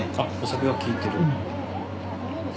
お酒がきいてる？